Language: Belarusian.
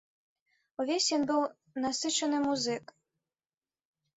Увесь ён быў насычаны музыкай.